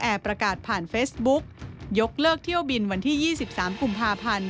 ประกาศผ่านเฟซบุ๊กยกเลิกเที่ยวบินวันที่๒๓กุมภาพันธ์